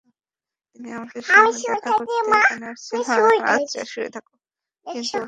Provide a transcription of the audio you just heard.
তিনি আমাদের সাথে দেখা করতে এখানে আসতে চেয়েছিলেন, কিন্তু ওরা তাকে দুর্ঘটনাস্থলে ডেকেছে।